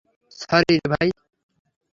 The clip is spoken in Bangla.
সরি রে ভাই!